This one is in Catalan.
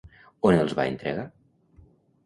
On els va entregar?